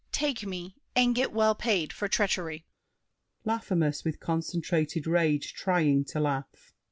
Take me, and get well paid for treachery. LAFFEMAS (with concentrated rage, trying to laugh).